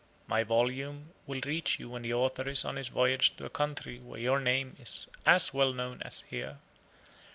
My volume will reach you when the Author is on his voyage to a country where your name is as well known as here.